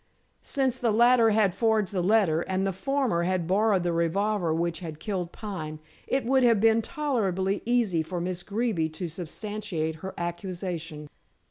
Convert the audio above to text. Since the latter had forged the letter and the former had borrowed the revolver which had killed Pine, it would have been tolerably easy for Miss Greeby to substantiate her accusation.